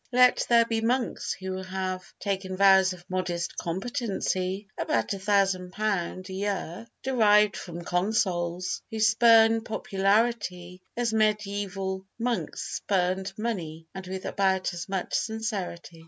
Let there be monks who have taken vows of modest competency (about £1000 a year, derived from consols), who spurn popularity as medieval monks spurned money—and with about as much sincerity.